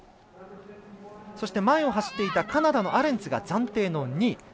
そして、前を走っていたカナダのアレンツが暫定の２位。